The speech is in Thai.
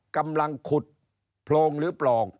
กำลังขุดโพรงหรือปล่อง